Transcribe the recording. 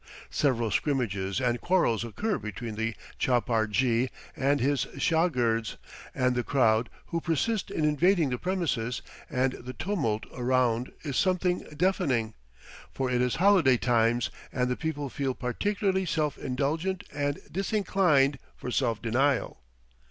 Several scrimmages and quarrels occur between the chapar jee and his shagirds, and the crowd, who persist in invading the premises, and the tumult around is something deafening, for it is holiday times and the people feel particularly self indulgent and disinclined for self denial.